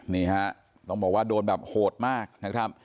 นี่ฮะต้องบอกว่าโดนแบบโหดมากนะครับ